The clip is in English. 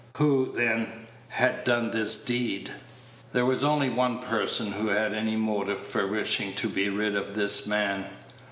Who, then, had done this deed? There was only one person who had any motive for wishing to be rid of this man.